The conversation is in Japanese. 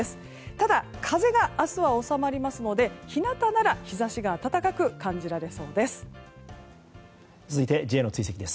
ただ、風が明日は収まりますので日なたなら、日差しが暖かく感じられそうです。